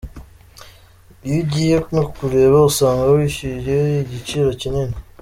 Iyo ugiye no kureba usanga wishyuye igiciro kinini.